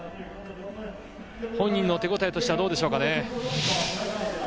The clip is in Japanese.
本人の手応えとしてはどうでしょうか。